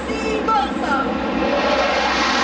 tni angkatan udara